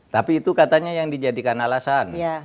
tapi itu katanya yang dijadikan alasan